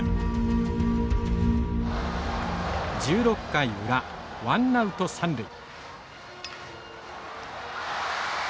１６回裏ワンナウト三塁。